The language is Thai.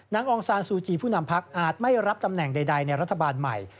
องซานซูจีผู้นำพักอาจไม่รับตำแหน่งใดในรัฐบาลใหม่